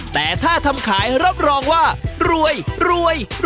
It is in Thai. แต่ถ้าทำขายรับรองว่ารวยรวย